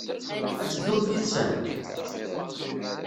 Ad teddumt yid-sent?